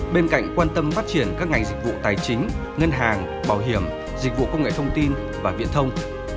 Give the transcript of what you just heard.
bên cạnh quan tâm phát triển các ngành dịch vụ tài chính ngân hàng bảo hiểm dịch vụ công nghệ thông tin và viễn thông